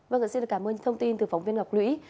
vâng ạ xin cảm ơn thông tin từ phóng viên ngọc lũy